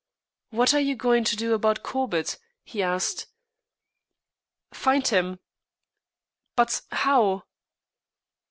"What are you going to do about Corbett?" he asked. "Find him." "But how?"